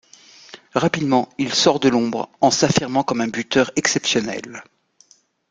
Rapidement, il sort de l'ombre en s'affirmant comme un buteur exceptionnel.